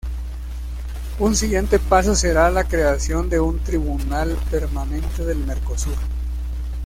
Un siguiente paso será la creación de un tribunal permanente del Mercosur.